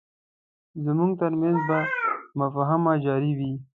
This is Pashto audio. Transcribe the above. زموږ ترمنځ به مفاهمه جاري وي.